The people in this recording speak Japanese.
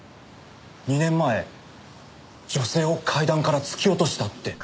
２年前女性を階段から突き落としたって。